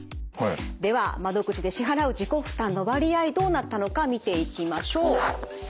では窓口で支払う自己負担の割合どうなったのか見ていきましょう。